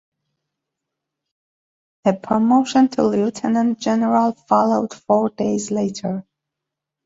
A promotion to lieutenant general followed four days later.